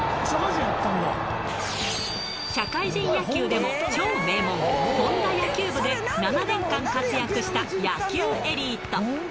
社会人野球でも超名門、ＨＯＮＤＡ野球部で７年間活躍した野球エリート。